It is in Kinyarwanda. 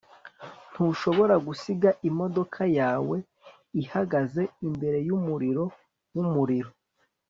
ntushobora gusiga imodoka yawe ihagaze imbere yumuriro wumuriro